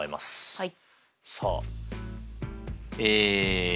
はい。